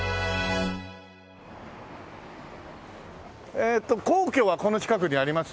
えーっと皇居はこの近くにあります？